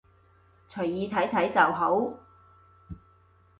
隨意睇睇就好